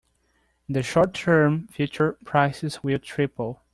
In the short term future, prices will triple.